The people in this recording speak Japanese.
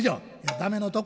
「駄目のとこ」。